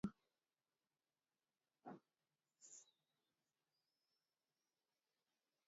Inendet neurereni komnyei eng timinyo